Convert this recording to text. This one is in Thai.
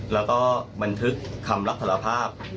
แล้วก็บันทึกคำรับสารภาพ